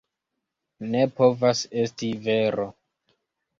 Ne povas esti vero!